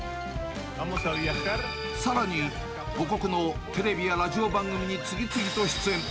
さらに母国のテレビやラジオ番組に次々と出演。